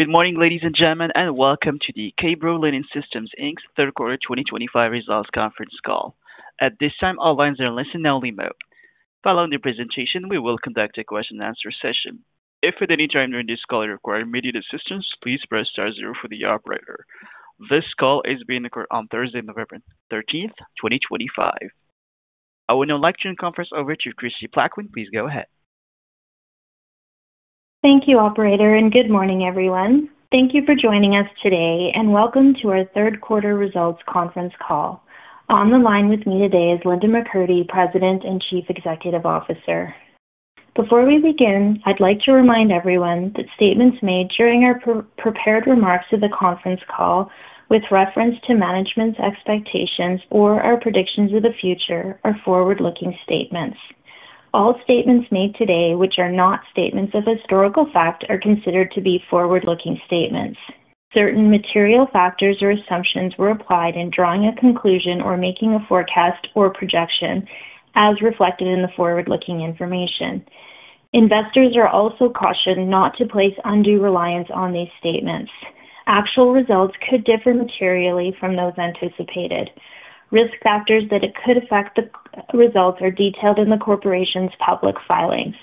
Good morning, ladies and gentlemen, and welcome to the K-Bro Linen Systems Inc Third Quarter 2025 Results Conference Call. At this time, all lines are listen only. Following the presentation, we will conduct a question-and-answer session. If at any time during this call you require immediate assistance, please press star zero for the operator. This call is being recorded on Thursday, November 13th, 2025. I will now turn the conference over to Kristie Plaquin. Please go ahead. Thank you, Operator, and good morning, everyone. Thank you for joining us today, and welcome to our Third Quarter Results Conference Call. On the line with me today is Linda McCurdy, President and Chief Executive Officer. Before we begin, I'd like to remind everyone that statements made during our prepared remarks to the conference call with reference to management's expectations or our predictions of the future are forward-looking statements. All statements made today, which are not statements of historical fact, are considered to be forward-looking statements. Certain material factors or assumptions were applied in drawing a conclusion or making a forecast or projection, as reflected in the forward-looking information. Investors are also cautioned not to place undue reliance on these statements. Actual results could differ materially from those anticipated. Risk factors that could affect the results are detailed in the corporation's public filings.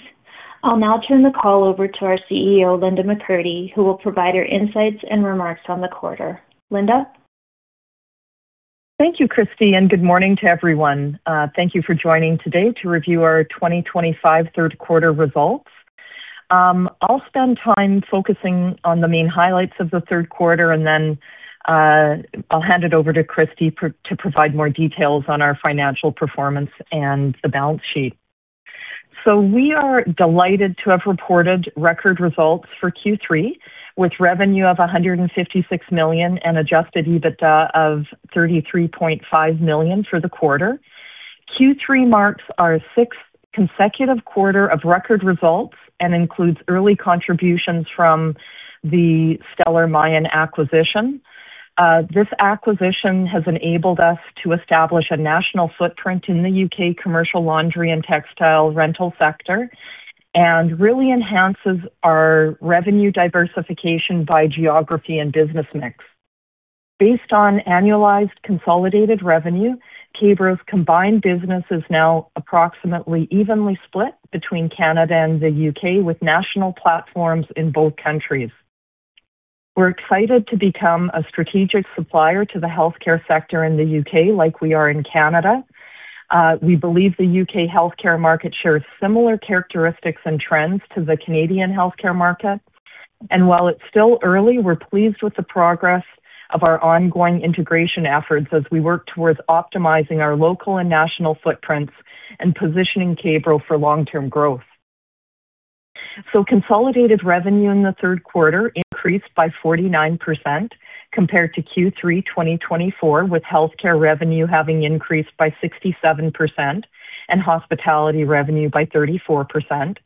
I'll now turn the call over to our CEO, Linda McCurdy, who will provide her insights and remarks on the quarter. Linda? Thank you, Kristie, and good morning to everyone. Thank you for joining today to review our 2025 third quarter results. I'll spend time focusing on the main highlights of the third quarter, and then I'll hand it over to Kristie to provide more details on our financial performance and the balance sheet. We are delighted to have reported record results for Q3, with revenue of 156 million and adjusted EBITDA of 33.5 million for the quarter. Q3 marks our sixth consecutive quarter of record results and includes early contributions from the Stellar Mayan acquisition. This acquisition has enabled us to establish a national footprint in the U.K. commercial laundry and textile rental sector and really enhances our revenue diversification by geography and business mix. Based on annualized consolidated revenue, K-Bro's combined business is now approximately evenly split between Canada and the U.K., with national platforms in both countries. We're excited to become a strategic supplier to the healthcare sector in the U.K., like we are in Canada. We believe the U.K. healthcare market shares similar characteristics and trends to the Canadian healthcare market. While it's still early, we're pleased with the progress of our ongoing integration efforts as we work towards optimizing our local and national footprints and positioning K-Bro for long-term growth. Consolidated revenue in the third quarter increased by 49% compared to Q3 2024, with healthcare revenue having increased by 67% and hospitality revenue by 34%.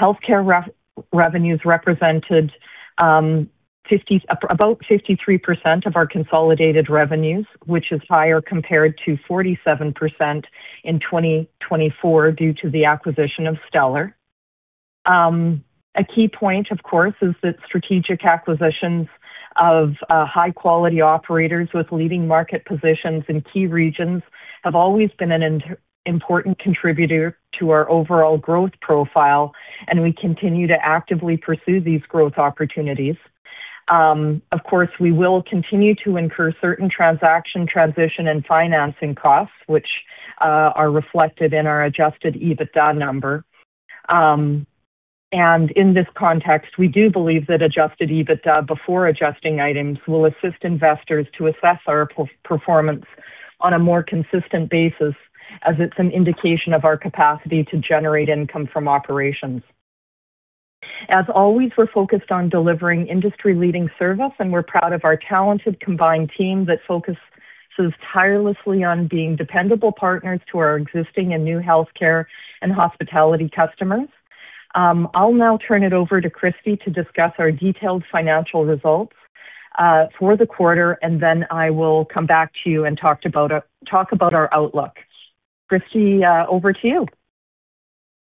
Healthcare revenues represented about 53% of our consolidated revenues, which is higher compared to 47% in 2024 due to the acquisition of Stellar. A key point, of course, is that strategic acquisitions of high-quality operators with leading market positions in key regions have always been an important contributor to our overall growth profile, and we continue to actively pursue these growth opportunities. Of course, we will continue to incur certain transaction, transition, and financing costs, which are reflected in our adjusted EBITDA number. In this context, we do believe that adjusted EBITDA before adjusting items will assist investors to assess our performance on a more consistent basis, as it is an indication of our capacity to generate income from operations. As always, we are focused on delivering industry-leading service, and we are proud of our talented combined team that focuses tirelessly on being dependable partners to our existing and new healthcare and hospitality customers. I'll now turn it over to Kristie to discuss our detailed financial results for the quarter, and then I will come back to you and talk about our outlook. Kristie, over to you.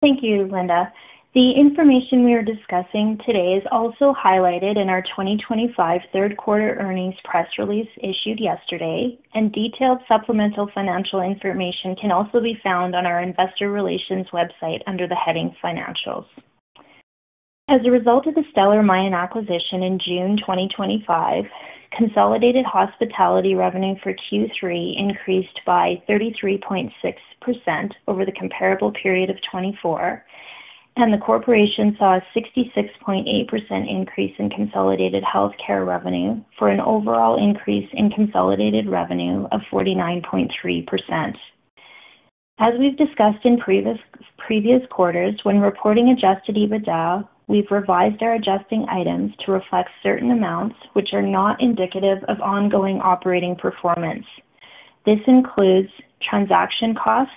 Thank you, Linda. The information we are discussing today is also highlighted in our 2025 third quarter earnings press release issued yesterday, and detailed supplemental financial information can also be found on our investor relations website under the heading Financials. As a result of the Stellar Mayan acquisition in June 2025, consolidated hospitality revenue for Q3 increased by 33.6% over the comparable period of 2024, and the corporation saw a 66.8% increase in consolidated healthcare revenue for an overall increase in consolidated revenue of 49.3%. As we've discussed in previous quarters, when reporting adjusted EBITDA, we've revised our adjusting items to reflect certain amounts which are not indicative of ongoing operating performance. This includes transaction costs,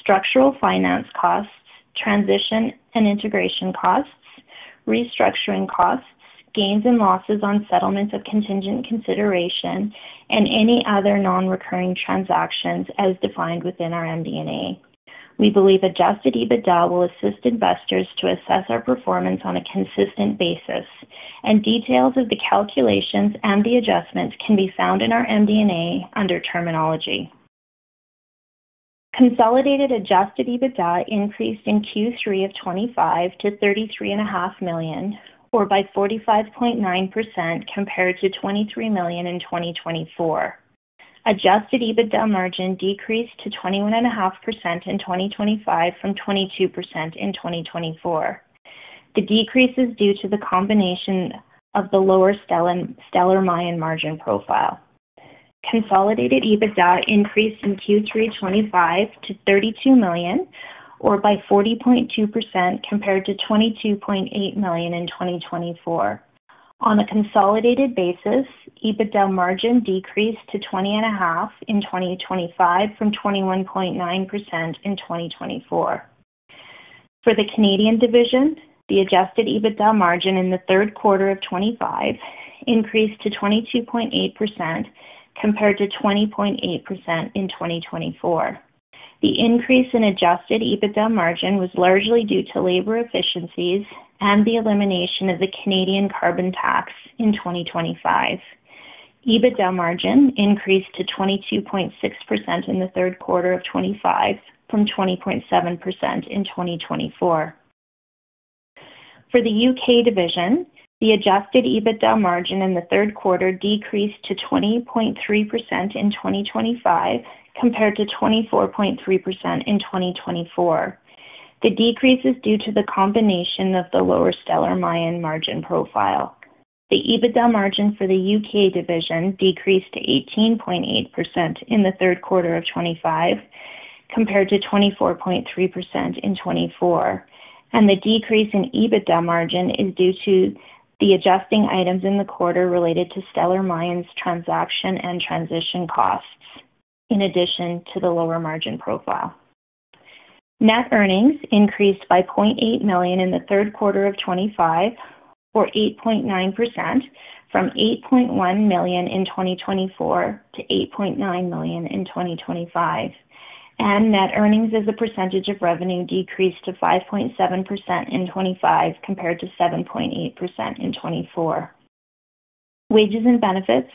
structural finance costs, transition and integration costs, restructuring costs, gains and losses on settlement of contingent consideration, and any other non-recurring transactions as defined within our MD&A. We believe adjusted EBITDA will assist investors to assess our performance on a consistent basis, and details of the calculations and the adjustments can be found in our MD&A under terminology. Consolidated adjusted EBITDA increased in Q3 of 2025 to 33.5 million, or by 45.9% compared to 23 million in 2024. Adjusted EBITDA margin decreased to 21.5% in 2025 from 22% in 2024. The decrease is due to the combination of the lower Stellar Mayan margin profile. Consolidated EBITDA increased in Q3 2025 to 32 million, or by 40.2% compared to 22.8 million in 2024. On a consolidated basis, EBITDA margin decreased to 20.5% in 2025 from 21.9% in 2024. For the Canadian division, the adjusted EBITDA margin in the third quarter of 2025 increased to 22.8% compared to 20.8% in 2024. The increase in adjusted EBITDA margin was largely due to labor efficiencies and the elimination of the Canadian carbon tax in 2025. EBITDA margin increased to 22.6% in the third quarter of 2025 from 20.7% in 2024. For the U.K. division, the adjusted EBITDA margin in the third quarter decreased to 20.3% in 2025 compared to 24.3% in 2024. The decrease is due to the combination of the lower Stellar Mayan margin profile. The EBITDA margin for the U.K. division decreased to 18.8% in the third quarter of 2025 compared to 24.3% in 2024, and the decrease in EBITDA margin is due to the adjusting items in the quarter related to Stellar Mayan's transaction and transition costs, in addition to the lower margin profile. Net earnings increased by 0.8 million in the third quarter of 2025, or 8.9%, from 8.1 million in 2024 to 8.9 million in 2025. Net earnings as a percentage of revenue decreased to 5.7% in 2025 compared to 7.8% in 2024. Wages and benefits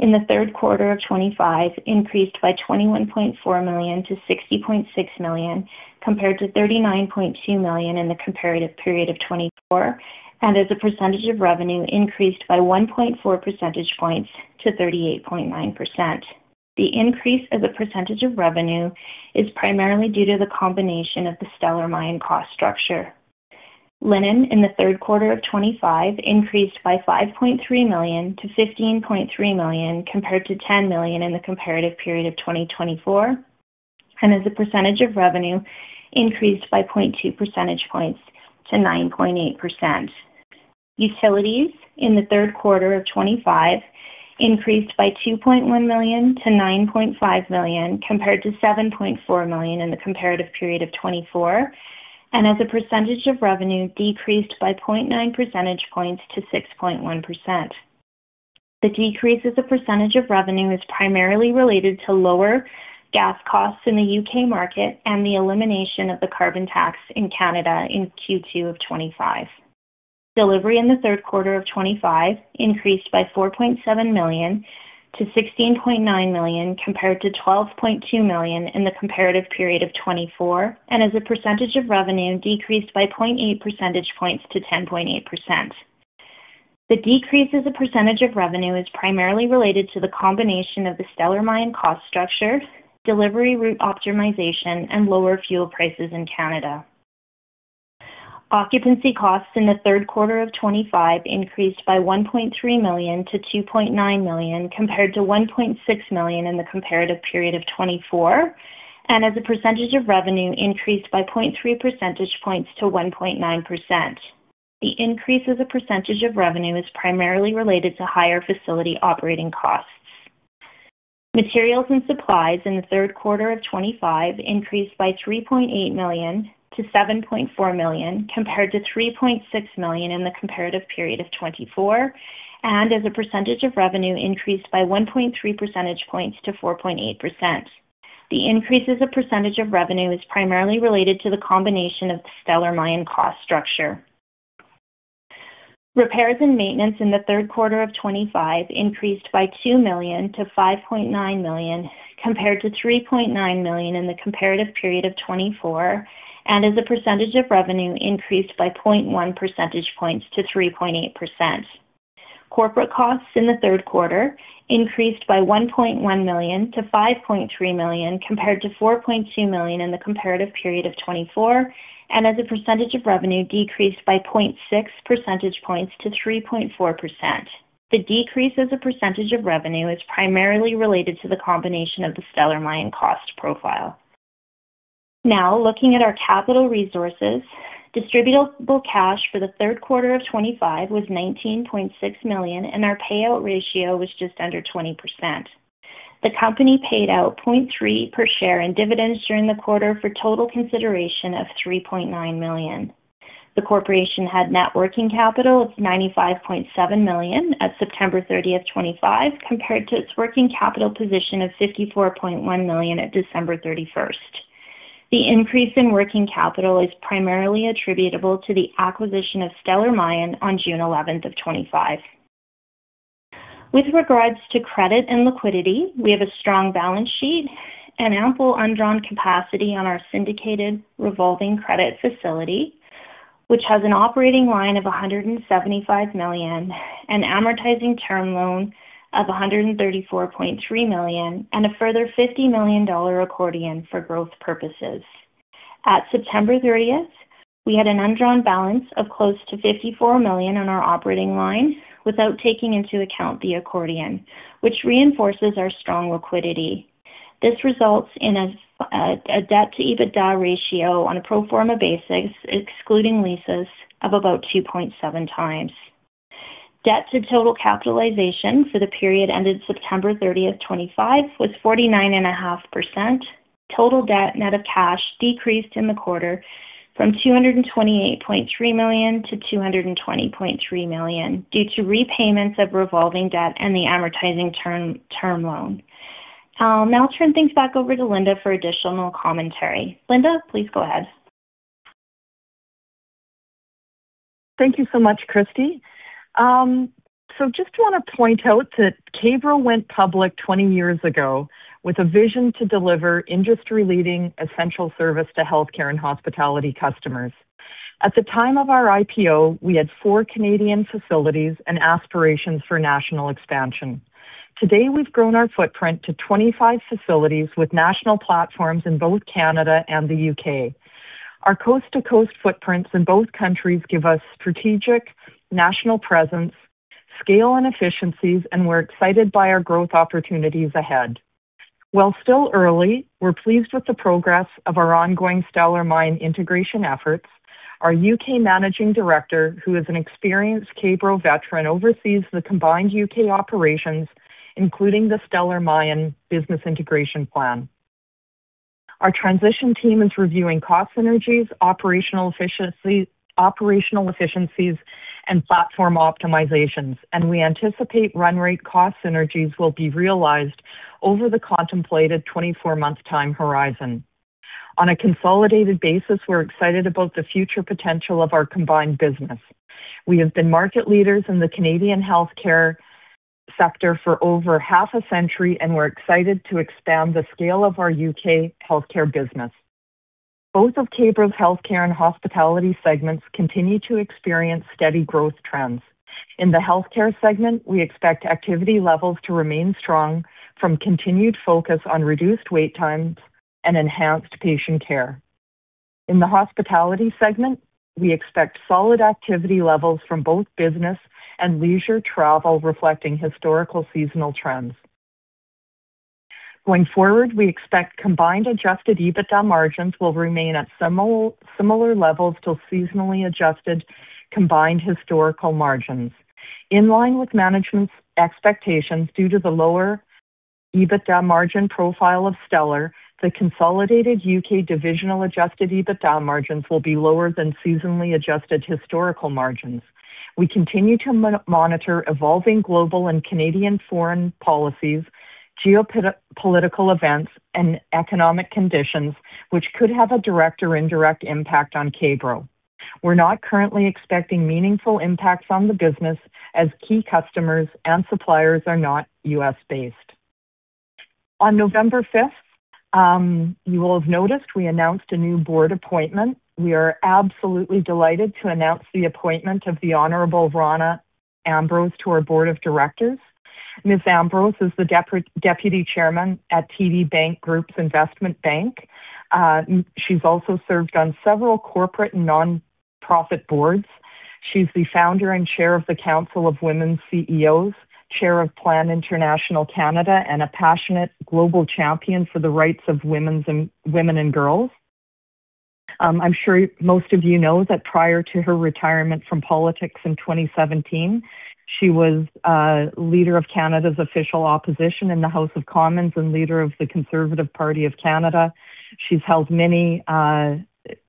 in the third quarter of 2025 increased by 21.4 million to 60.6 million compared to 39.2 million in the comparative period of 2024, and as a percentage of revenue increased by 1.4 percentage points to 38.9%. The increase as a percentage of revenue is primarily due to the combination of the Stellar Mayan cost structure. Linen in the third quarter of 2025 increased by 5.3 million to 15.3 million compared to 10 million in the comparative period of 2024, and as a percentage of revenue increased by 0.2 percentage points to 9.8%. Utilities in the third quarter of 2025 increased by 2.1 million to 9.5 million compared to 7.4 million in the comparative period of 2024, and as a percentage of revenue decreased by 0.9 percentage points to 6.1%. The decrease as a percentage of revenue is primarily related to lower gas costs in the U.K. market and the elimination of the carbon tax in Canada in Q2 of 2025. Delivery in the third quarter of 2025 increased by 4.7 million to 16.9 million compared to 12.2 million in the comparative period of 2024, and as a percentage of revenue decreased by 0.8 percentage points to 10.8%. The decrease as a percentage of revenue is primarily related to the combination of the Stellar Mayan cost structure, delivery route optimization, and lower fuel prices in Canada. Occupancy costs in the third quarter of 2025 increased by 1.3 million to 2.9 million compared to 1.6 million in the comparative period of 2024, and as a percentage of revenue increased by 0.3 percentage points to 1.9%. The increase as a percentage of revenue is primarily related to higher facility operating costs. Materials and supplies in the third quarter of 2025 increased by 3.8 million to 7.4 million compared to 3.6 million in the comparative period of 2024, and as a percentage of revenue increased by 1.3 percentage points to 4.8%. The increase as a percentage of revenue is primarily related to the combination of the Stellar Mayan cost structure. Repairs and maintenance in the third quarter of 2025 increased by 2 million to 5.9 million compared to 3.9 million in the comparative period of 2024, and as a percentage of revenue increased by 0.1 percentage points to 3.8%. Corporate costs in the third quarter increased by 1.1 million to 5.3 million compared to 4.2 million in the comparative period of 2024, and as a percentage of revenue decreased by 0.6 percentage points to 3.4%. The decrease as a percentage of revenue is primarily related to the combination of the Stellar Mayan cost profile. Now, looking at our capital resources, distributable cash for the third quarter of 2025 was 19.6 million, and our payout ratio was just under 20%. The company paid out 0.3 per share in dividends during the quarter for total consideration of 3.9 million. The corporation had net working capital of 95.7 million at September 30, 2025, compared to its working capital position of 54.1 million at December 31st. The increase in working capital is primarily attributable to the acquisition of Stellar Mayan on June 11, 2025. With regards to credit and liquidity, we have a strong balance sheet and ample undrawn capacity on our syndicated revolving credit facility, which has an operating line of 175 million, an amortizing term loan of 134.3 million, and a further 50 million dollar accordion for growth purposes. At September 30th, we had an undrawn balance of close to 54 million on our operating line without taking into account the accordion, which reinforces our strong liquidity. This results in a debt-to-EBITDA ratio on a pro forma basis, excluding leases, of about 2.7x. Debt-to-total capitalization for the period ended September 30th, 2025, was 49.5%. Total debt net of cash decreased in the quarter from 228.3 million to 220.3 million due to repayments of revolving debt and the amortizing term loan. I'll now turn things back over to Linda for additional commentary. Linda, please go ahead. Thank you so much, Kristie. Just want to point out that K-Bro went public 20 years ago with a vision to deliver industry-leading essential service to healthcare and hospitality customers. At the time of our IPO, we had four Canadian facilities and aspirations for national expansion. Today, we've grown our footprint to 25 facilities with national platforms in both Canada and the U.K. Our coast-to-coast footprints in both countries give us strategic national presence, scale and efficiencies, and we're excited by our growth opportunities ahead. While still early, we're pleased with the progress of our ongoing Stellar Mayan integration efforts. Our U.K. managing director, who is an experienced K-Bro veteran, oversees the combined U.K. operations, including the Stellar Mayan business integration plan. Our transition team is reviewing cost synergies, operational efficiencies, and platform optimizations, and we anticipate run rate cost synergies will be realized over the contemplated 24-month time horizon. On a consolidated basis, we're excited about the future potential of our combined business. We have been market leaders in the Canadian healthcare sector for over half a century, and we're excited to expand the scale of our U.K. healthcare business. Both of K-Bro's healthcare and hospitality segments continue to experience steady growth trends. In the healthcare segment, we expect activity levels to remain strong from continued focus on reduced wait times and enhanced patient care. In the hospitality segment, we expect solid activity levels from both business and leisure travel, reflecting historical seasonal trends. Going forward, we expect combined adjusted EBITDA margins will remain at similar levels to seasonally adjusted combined historical margins. In line with management's expectations, due to the lower EBITDA margin profile of Stellar, the consolidated U.K. divisional adjusted EBITDA margins will be lower than seasonally adjusted historical margins. We continue to monitor evolving global and Canadian foreign policies, geopolitical events, and economic conditions, which could have a direct or indirect impact on K-Bro. We're not currently expecting meaningful impacts on the business, as key customers and suppliers are not U.S.-based. On November 5th, you will have noticed we announced a new board appointment. We are absolutely delighted to announce the appointment of the Honorable Rona Ambrose to our Board of Directors. Ms. Ambrose is the Deputy Chairman at TD Bank Group's Investment Bank. She's also served on several corporate and nonprofit boards. She's the founder and chair of the Council of Women's CEOs, chair of Plan International Canada, and a passionate global champion for the rights of women and girls. I'm sure most of you know that prior to her retirement from politics in 2017, she was leader of Canada's official opposition in the House of Commons and leader of the Conservative Party of Canada. She's held many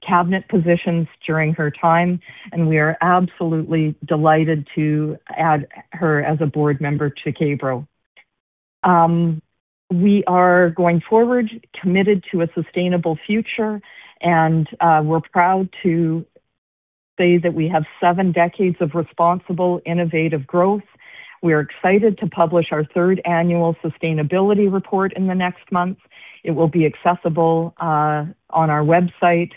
cabinet positions during her time, and we are absolutely delighted to add her as a board member to K-Bro. We are, going forward, committed to a sustainable future, and we're proud to say that we have seven decades of responsible, innovative growth. We are excited to publish our third annual sustainability report in the next month. It will be accessible on our website.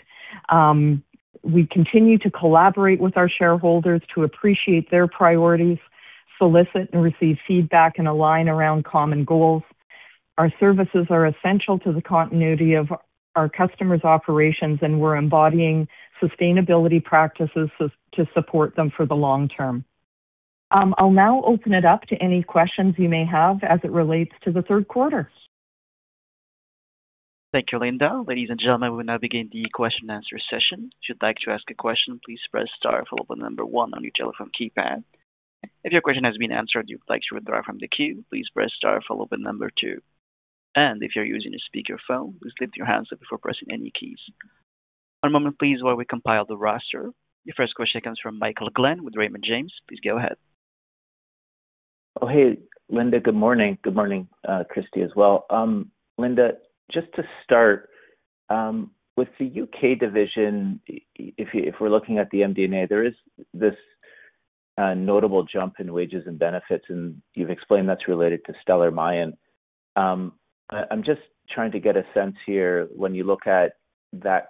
We continue to collaborate with our shareholders to appreciate their priorities, solicit and receive feedback, and align around common goals. Our services are essential to the continuity of our customers' operations, and we're embodying sustainability practices to support them for the long term. I'll now open it up to any questions you may have as it relates to the third quarter. Thank you, Linda. Ladies and gentlemen, we will now begin the question-and-answer session. If you'd like to ask a question, please press star followed by number one on your telephone keypad. If your question has been answered and you'd like to withdraw from the queue, please press star followed by number two. If you're using a speakerphone, please lift your handset before pressing any keys. One moment, please, while we compile the roster. Your first question comes from Michael Glen with Raymond James. Please go ahead. Oh, hey, Linda. Good morning. Good morning, Kristie as well. Linda, just to start, with the U.K. division, if we're looking at the MD&A, there is this notable jump in wages and benefits, and you've explained that's related to Stellar Mayan. I'm just trying to get a sense here. When you look at that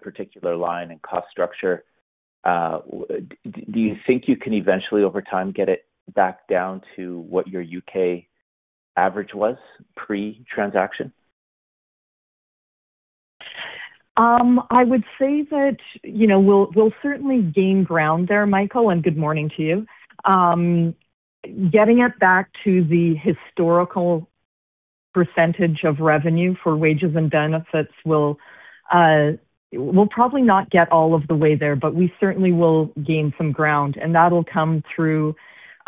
particular line and cost structure, do you think you can eventually, over time, get it back down to what your U.K. average was pre-transaction? I would say that we'll certainly gain ground there, Michael, and good morning to you. Getting it back to the historical % of revenue for wages and benefits, we'll probably not get all of the way there, but we certainly will gain some ground, and that'll come through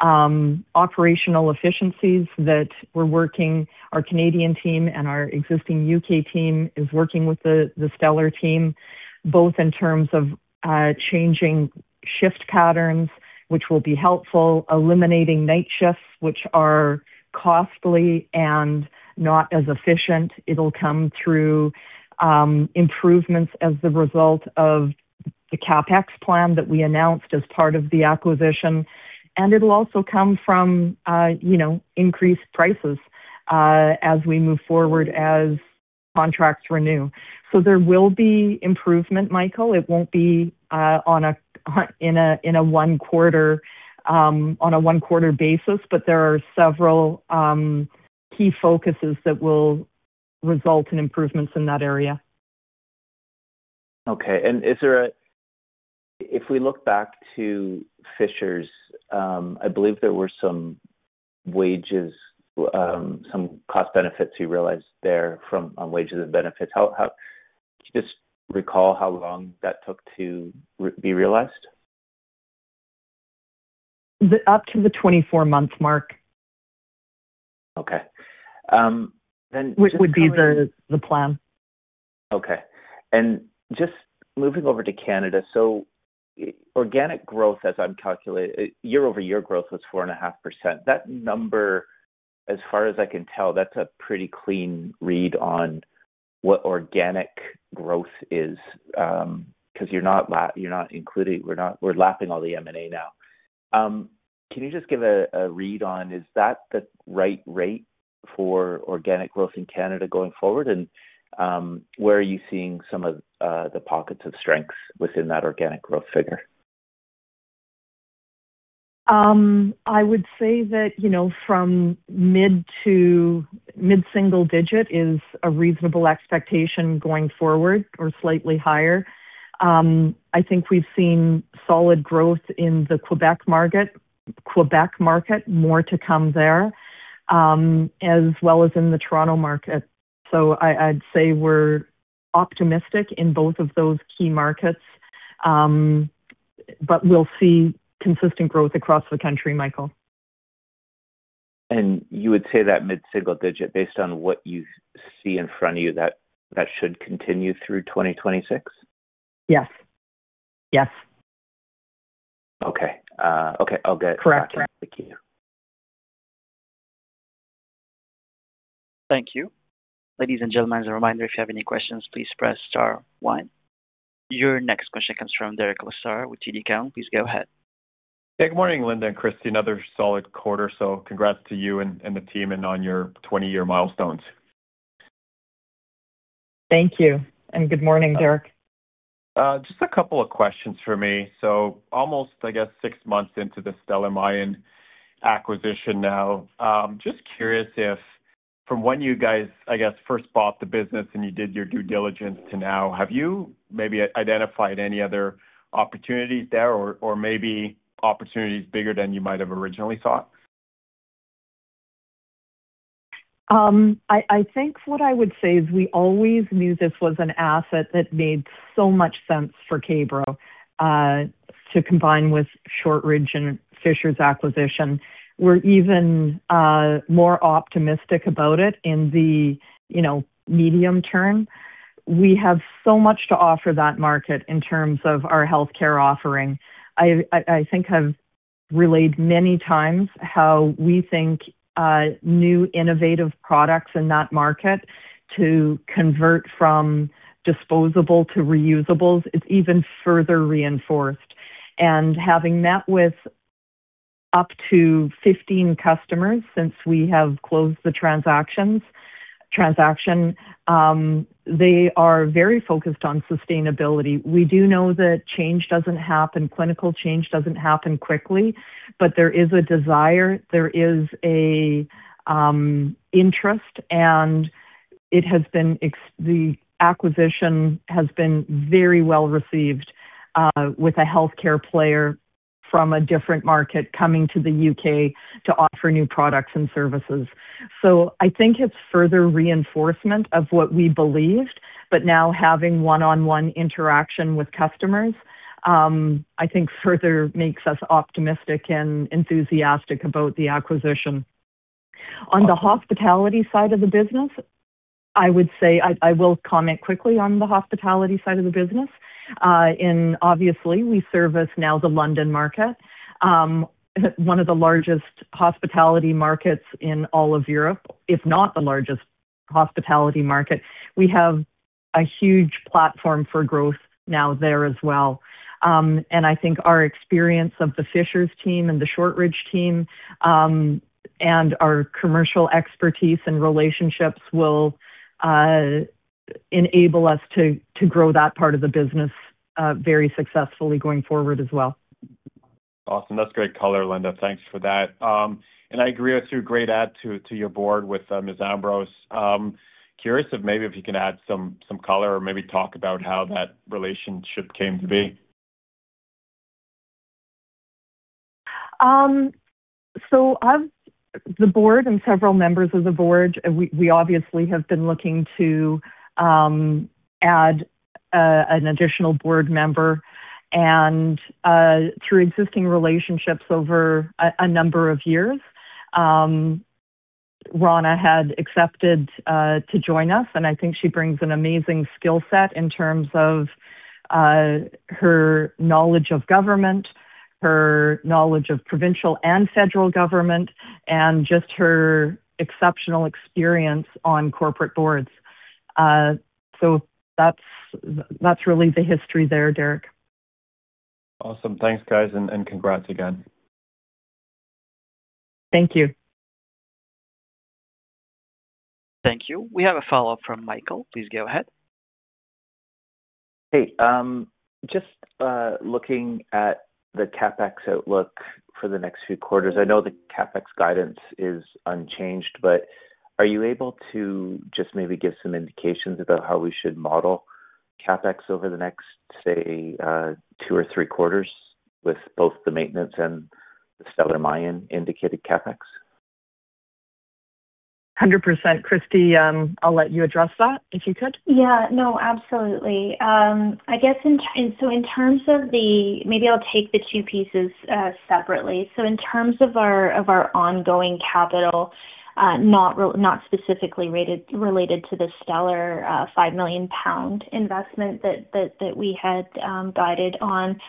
operational efficiencies that we're working. Our Canadian team and our existing U.K. team are working with the Stellar team, both in terms of changing shift patterns, which will be helpful, eliminating night shifts, which are costly and not as efficient. It'll come through improvements as the result of the CapEx plan that we announced as part of the acquisition, and it'll also come from increased prices as we move forward as contracts renew. There will be improvement, Michael. It won't be in a one-quarter basis, but there are several key focuses that will result in improvements in that area. Okay. If we look back to Fishers, I believe there were some cost benefits you realized there from wages and benefits. Just recall how long that took to be realized. Up to the 24-month mark. Okay. Then. Which would be the plan. Okay. Just moving over to Canada, organic growth, as I'm calculating, year-over-year growth was 4.5%. That number, as far as I can tell, that's a pretty clean read on what organic growth is because you're not including—we're lapping all the M&A now. Can you just give a read on, is that the right rate for organic growth in Canada going forward? Where are you seeing some of the pockets of strength within that organic growth figure? I would say that from mid to mid-single digit is a reasonable expectation going forward or slightly higher. I think we've seen solid growth in the Quebec market, more to come there, as well as in the Toronto market. I'd say we're optimistic in both of those key markets, but we'll see consistent growth across the country, Michael. You would say that mid-single digit, based on what you see in front of you, that should continue through 2026? Yes. Yes. Okay. Okay. I'll get that. Correct. Thank you. Thank you. Ladies and gentlemen, as a reminder, if you have any questions, please press star one. Your next question comes from Derek Lessard with TD Cowen. Please go ahead. Hey, good morning, Linda and Kristie. Another solid quarter, so congrats to you and the team and on your 20-year milestones. Thank you. Good morning, Derek. Just a couple of questions for me. Almost, I guess, six months into the Stellar Mayan acquisition now. Just curious if, from when you guys, I guess, first bought the business and you did your due diligence to now, have you maybe identified any other opportunities there or maybe opportunities bigger than you might have originally thought? I think what I would say is we always knew this was an asset that made so much sense for K-Bro to combine with Shortridge and Fishers acquisition. We're even more optimistic about it in the medium term. We have so much to offer that market in terms of our healthcare offering. I think I've relayed many times how we think new innovative products in that market to convert from disposable to reusables is even further reinforced. Having met with up to 15 customers since we have closed the transaction, they are very focused on sustainability. We do know that change does not happen. Clinical change does not happen quickly, but there is a desire. There is an interest, and the acquisition has been very well received with a healthcare player from a different market coming to the U.K. to offer new products and services. I think it's further reinforcement of what we believed, but now having one-on-one interaction with customers, I think, further makes us optimistic and enthusiastic about the acquisition. On the hospitality side of the business, I will comment quickly on the hospitality side of the business. Obviously, we service now the London market, one of the largest hospitality markets in all of Europe, if not the largest hospitality market. We have a huge platform for growth now there as well. I think our experience of the Fishers team and the Shortridge team and our commercial expertise and relationships will enable us to grow that part of the business very successfully going forward as well. Awesome. That's great color, Linda. Thanks for that. I agree with your great add to your board with Ms. Ambrose. Curious if maybe if you can add some color or maybe talk about how that relationship came to be. The Board and several members of the Board, we obviously have been looking to add an additional board member. Through existing relationships over a number of years, Rona had accepted to join us, and I think she brings an amazing skill set in terms of her knowledge of government, her knowledge of provincial and federal government, and just her exceptional experience on corporate boards. That is really the history there, Derek. Awesome. Thanks, guys, and congrats again. Thank you. Thank you. We have a follow-up from Michael. Please go ahead. Hey. Just looking at the CapEx outlook for the next few quarters, I know the CapEx guidance is unchanged, but are you able to just maybe give some indications about how we should model CapEx over the next, say, two or three quarters with both the maintenance and the Stellar Mayan indicated CapEx? 100%, Kristie. I'll let you address that if you could. Yeah. No, absolutely. I guess, in terms of the—maybe I'll take the two pieces separately. In terms of our ongoing capital, not specifically related to the Stellar 5 million pound investment that we had guided on,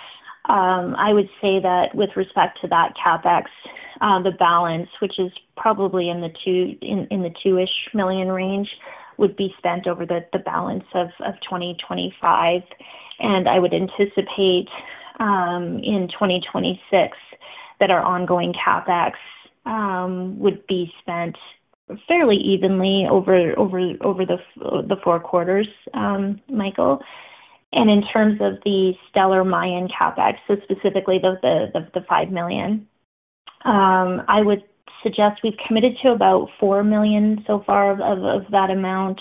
I would say that with respect to that CapEx, the balance, which is probably in the 2-ish million range, would be spent over the balance of 2025. I would anticipate in 2026 that our ongoing CapEx would be spent fairly evenly over the four quarters, Michael. In terms of the Stellar Mayan CapEx, specifically the 5 million, I would suggest we've committed to about 4 million so far of that amount.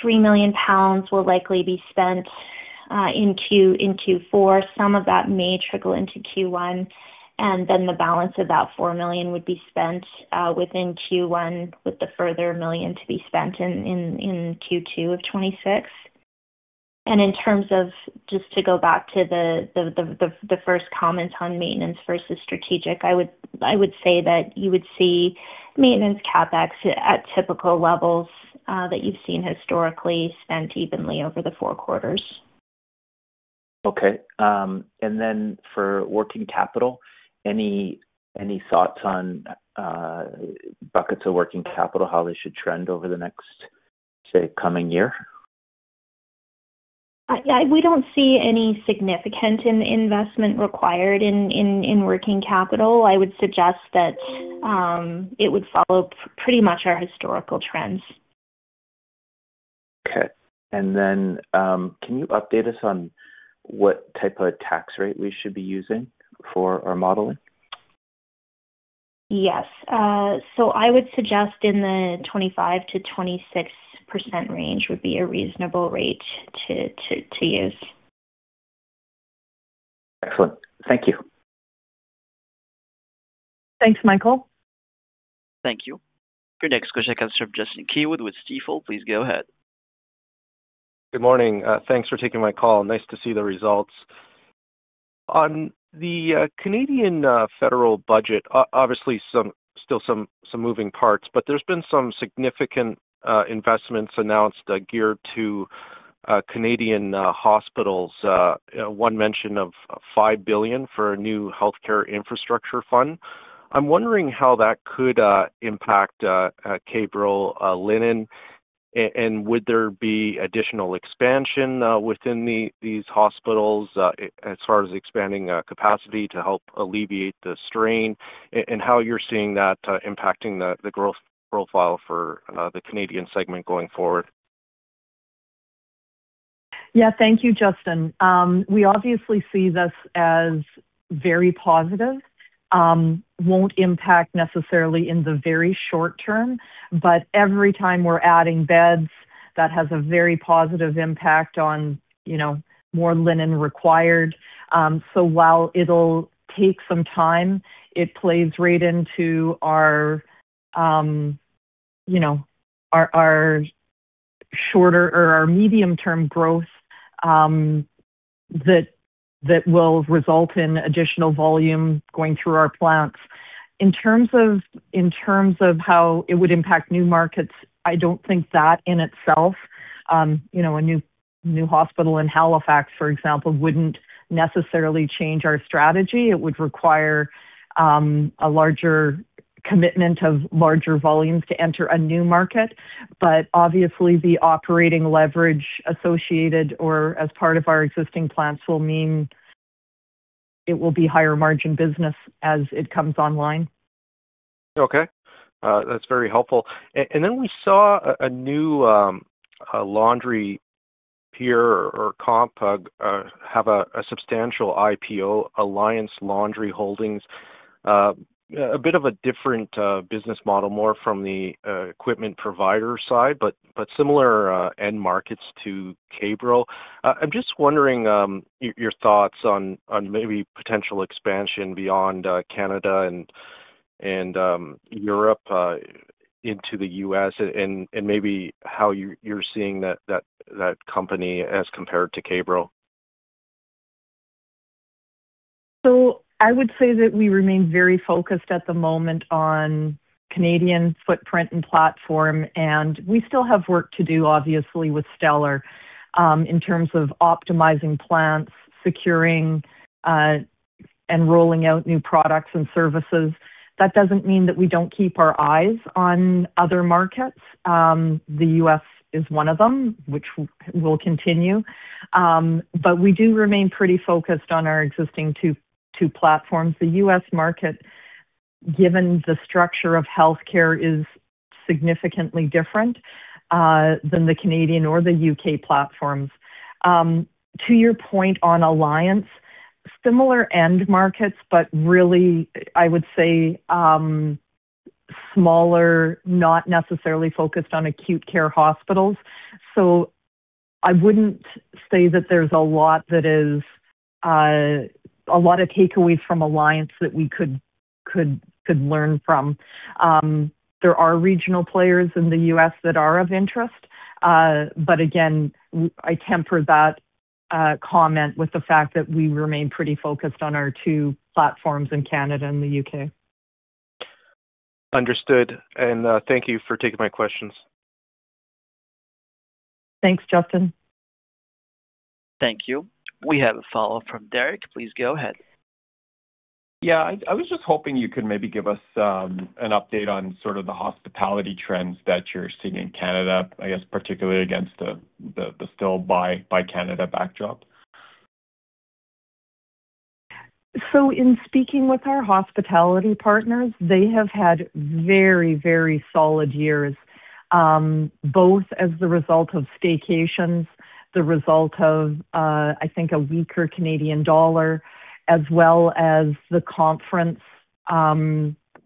3 million pounds will likely be spent in Q4. Some of that may trickle into Q1, and then the balance of that 4 million would be spent within Q1 with the further million to be spent in Q2 of 2026. In terms of just to go back to the first comment on maintenance versus strategic, I would say that you would see maintenance CapEx at typical levels that you've seen historically spent evenly over the four quarters. Okay. For working capital, any thoughts on buckets of working capital, how they should trend over the next, say, coming year? We don't see any significant investment required in working capital. I would suggest that it would follow pretty much our historical trends. Okay. Can you update us on what type of tax rate we should be using for our modeling? Yes. I would suggest in the 25%-26% range would be a reasonable rate to use. Excellent. Thank you. Thanks, Michael. Thank you. Your next question comes from Justin Keywood with Stifel. Please go ahead. Good morning. Thanks for taking my call. Nice to see the results. On the Canadian federal budget, obviously, still some moving parts, but there's been some significant investments announced geared to Canadian hospitals. One mention of 5 billion for a new healthcare infrastructure fund. I'm wondering how that could impact K-Bro Linen? Would there be additional expansion within these hospitals as far as expanding capacity to help alleviate the strain? How you're seeing that impacting the growth profile for the Canadian segment going forward? Yeah. Thank you, Justin. We obviously see this as very positive. Won't impact necessarily in the very short term, but every time we're adding beds, that has a very positive impact on more linen required. While it'll take some time, it plays right into our shorter or our medium-term growth that will result in additional volume going through our plants. In terms of how it would impact new markets, I don't think that in itself, a new hospital in Halifax, for example, wouldn't necessarily change our strategy. It would require a larger commitment of larger volumes to enter a new market. Obviously, the operating leverage associated or as part of our existing plants will mean it will be higher margin business as it comes online. Okay. That's very helpful. We saw a new laundry peer or comp have a substantial IPO, Alliance Laundry Holdings, a bit of a different business model, more from the equipment provider side, but similar end markets to K-Bro. I'm just wondering your thoughts on maybe potential expansion beyond Canada and Europe into the U.S. and maybe how you're seeing that company as compared to K-Bro. I would say that we remain very focused at the moment on Canadian footprint and platform. We still have work to do, obviously, with Stellar in terms of optimizing plants, securing, and rolling out new products and services. That does not mean that we do not keep our eyes on other markets. The U.S. is one of them, which will continue. We do remain pretty focused on our existing two platforms. The U.S. market, given the structure of healthcare, is significantly different than the Canadian or the U.K. platforms. To your point on Alliance, similar end markets, but really, I would say smaller, not necessarily focused on acute care hospitals. I would not say that there is a lot that is a lot of takeaways from Alliance that we could learn from. There are regional players in the U.S. that are of interest. Again, I temper that comment with the fact that we remain pretty focused on our two platforms in Canada and the U.K. Understood. Thank you for taking my questions. Thanks, Justin. Thank you. We have a follow-up from Derek. Please go ahead. Yeah. I was just hoping you could maybe give us an update on sort of the hospitality trends that you're seeing in Canada, I guess, particularly against the still-by-Canada backdrop. In speaking with our hospitality partners, they have had very, very solid years, both as the result of staycations, the result of, I think, a weaker Canadian dollar, as well as the conference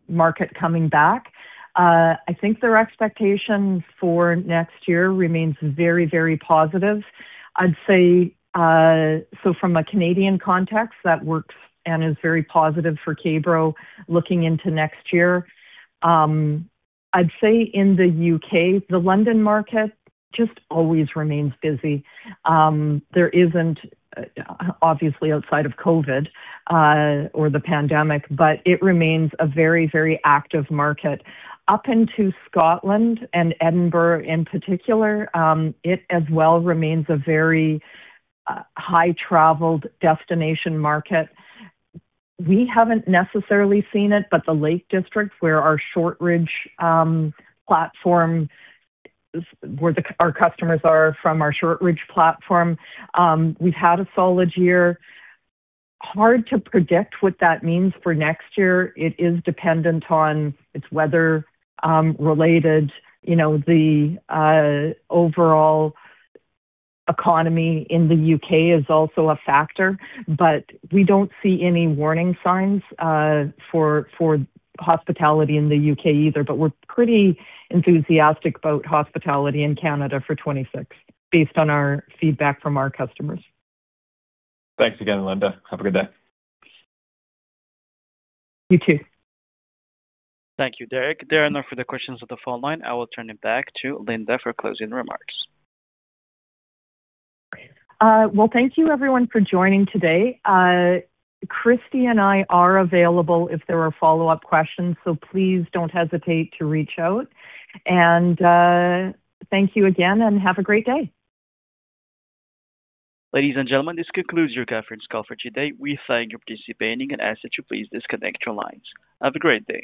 market coming back. I think their expectations for next year remain very, very positive. I'd say, from a Canadian context, that works and is very positive for K-Bro looking into next year. I'd say in the U.K., the London market just always remains busy. There isn't, obviously, outside of COVID or the pandemic, but it remains a very, very active market. Up into Scotland and Edinburgh in particular, it as well remains a very high-traveled destination market. We haven't necessarily seen it, but the Lake District, where our Shortridge platform, where our customers are from our Shortridge platform, we've had a solid year. Hard to predict what that means for next year. It is dependent on its weather-related. The overall economy in the U.K. is also a factor, but we do not see any warning signs for hospitality in the U.K. either. We are pretty enthusiastic about hospitality in Canada for 2026, based on our feedback from our customers. Thanks again, Linda. Have a good day. You too. Thank you, Derek. There are no further questions at the phone line. I will turn it back to Linda for closing remarks. Thank you, everyone, for joining today. Kristie and I are available if there are follow-up questions, so please do not hesitate to reach out. Thank you again, and have a great day. Ladies and gentlemen, this concludes your conference call for today. We thank you for participating and ask that you please disconnect your lines. Have a great day.